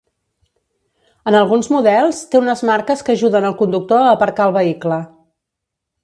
En alguns models, té unes marques que ajuden al conductor a aparcar el vehicle.